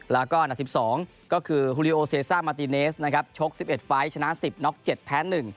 แล้วก็อันดับ๑๒ก็คือฮูลิโอเซซ่ามาติเนสนะครับชก๑๑ไฟล์ชนะ๑๐น็อก๗แพ้๑